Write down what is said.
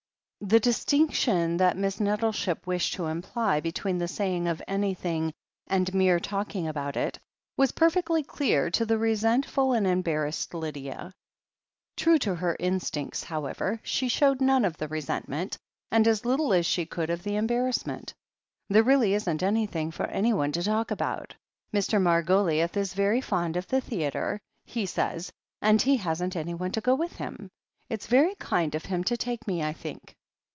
The distinction that Miss Nettleship wished to imply between the saying of anything and mere talking about it, was perfectly clear to the resentful and embarrassed Lydia. True to her instincts, however, she showed none of the resentment and as little as she could of the embar rassment. "There really isn't anything for anyone to talk about. Mr. Margoliouth is very fond of the theatre, he says, and he hasn't anyone to go with him. It's very kind of him to take me, I think."